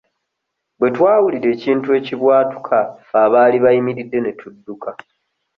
Bwe twawulira ekintu ekibwatuka ffe abaali bayimiridde ne tudduka.